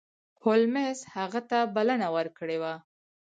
هولمز هغه ته بلنه ورکړې وه.